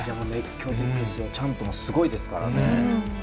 チャントもすごいですからね。